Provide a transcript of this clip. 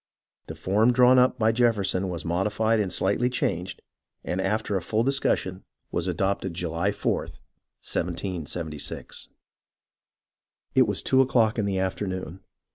The form drawn up by Jefferson was modified and slightly changed, and after a full discussion, was adopted, July 4th, 1776. It was two o'clock in the afternoon.